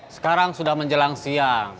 sekarang sudah menjelang siang